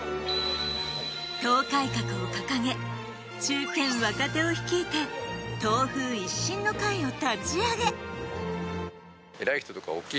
党改革を掲げ中堅若手を率いて党風一新の会を立ち上げ。